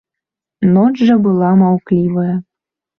Ноч жа была маўклівая.